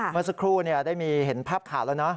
เมื่อสักครู่เนี่ยได้มีเห็นภาพขาดแล้วเนอะ